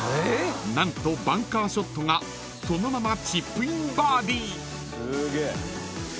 ［何とバンカーショットがそのままチップインバーディー］